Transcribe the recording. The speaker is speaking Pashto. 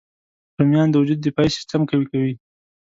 رومیان د وجود دفاعي سیسټم قوي کوي